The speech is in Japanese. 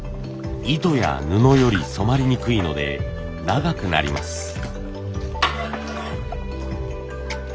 糸や布より染まりにくいので長くなります。